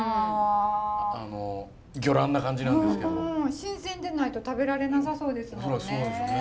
新鮮でないと食べられなさそうですもんね。